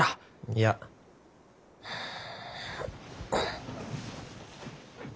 いや。はあ。